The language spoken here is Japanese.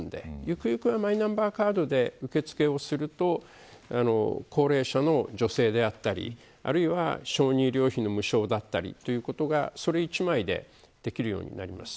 ゆくゆくはマイナンバーカードで受け付けをすると高齢者の女性であったりあるいは、小児医療の無償化だったったりそれ１枚でできるようになります。